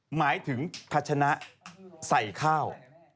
หมายถึงพัชนะใส่ข้าว